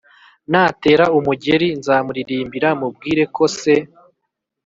natera umugeri nza muririmbira mubwireko se